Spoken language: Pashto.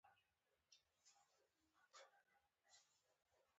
آزاد تجارت مهم دی ځکه چې پارکونه جوړوي.